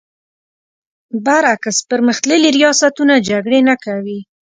برعکس پر مختللي ریاستونه جګړې نه کوي.